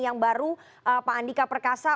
yang baru pak andika perkasa